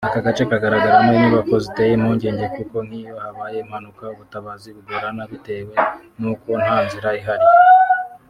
Aka gace kagaragaramo inyubako ziteye impungenge kuko nk’iyo habaye impanuka ubutabazi bugorana bitewe nuko nta nzira zihari